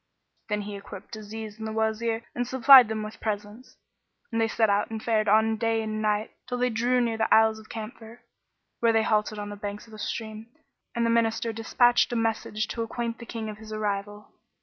Then he equipped Aziz and the Wazir and supplied them with presents; and they set out and fared on day and night till they drew near the Isles of Camphor, where they halted on the banks of a stream, and the Minister despatched a messenger to acquaint the King of his arrival.